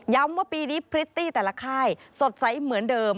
ว่าปีนี้พริตตี้แต่ละค่ายสดใสเหมือนเดิม